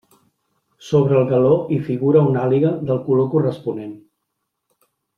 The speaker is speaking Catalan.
Sobre el galó hi figura una àliga del color corresponent.